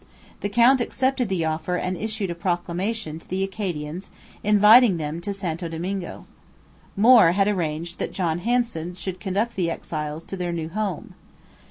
The count accepted the offer and issued a proclamation to the Acadians inviting them to Santo Domingo. Moore had arranged that John Hanson should conduct the exiles to their new home.